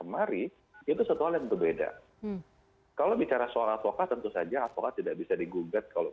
kemari itu satu hal yang berbeda kalau bicara soal advokat tentu saja avokat tidak bisa digugat kalau